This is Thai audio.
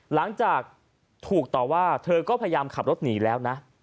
หลังจากถูกต่อว่าเธอก็พยายามขับรถหนีแล้วนะ